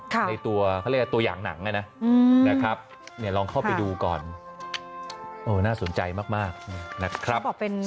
ในตัวเขาเรียกว่าตัวอย่างหนังนะครับเนี่ยลองเข้าไปดูก่อนน่าสนใจมากนะครับ